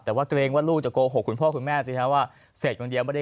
แต่ว่าเกรงว่าลูกจะโกโหคคุณพ่อคุณแม่สินะว่าเสพวันเดียว